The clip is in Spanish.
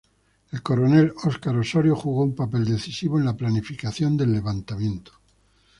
El Coronel Oscar Osorio jugó un papel decisivo en la planificación del levantamiento.